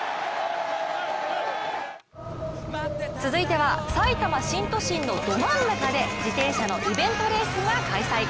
続いては、さいたま新都心のど真ん中で自転車のイベントレースが開催。